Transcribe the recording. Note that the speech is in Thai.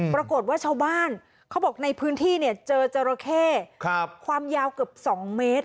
ปรากฏว่าชาวบ้านเขาบอกในพื้นที่เนี่ยเจอจราเข้ความยาวเกือบ๒เมตร